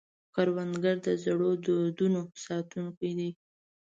کروندګر د زړو دودونو ساتونکی دی